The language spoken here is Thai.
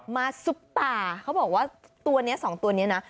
ซุปตาเขาบอกว่าตัวนี้สองตัวนี้นะ